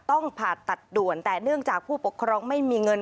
ต้องผ่าตัดด่วนแต่เนื่องจากผู้ปกครองไม่มีเงิน